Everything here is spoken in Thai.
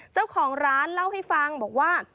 เจ้าของร้านเล่าให้ฟังบอกว่า